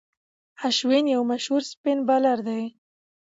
اشوين یو مشهور اسپن بالر دئ.